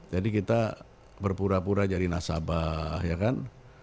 jadi kita berpura pura jadi nasabah ya kan